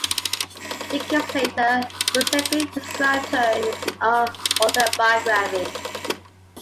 Decades later, Giuseppe described her in his own autobiography.